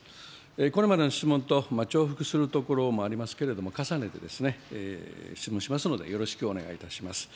これまでの質問と重複するところもありますけれども、重ねて質問しますのでよろしくお願いいたします。